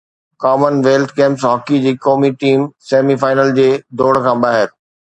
common wealth Games hockey جي قومي team semi final جي دوڑ کان ٻاهر